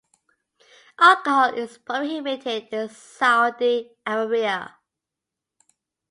Alcohol is prohibited in Saudi Arabia.